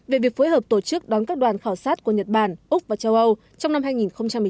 về việc phối hợp tổ chức đón các đoàn khảo sát của nhật bản úc và châu âu trong năm hai nghìn một mươi chín